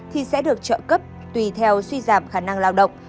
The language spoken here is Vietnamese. thì sẽ được trợ cấp tùy theo suy giảm khả năng lao động